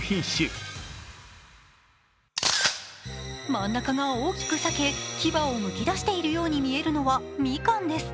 真ん中が大きく裂け、牙を剥き出しているように見えるのはみかんです。